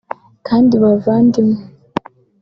kandi bavandimwe